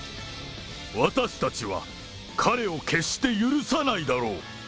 私たちは彼を決して許さないだろう。